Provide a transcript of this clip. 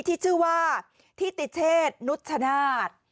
ที่ชื่อว่าทิติเชศนุษยนาฬ